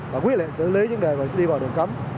và quyết định xử lý vấn đề đi vào đường cấm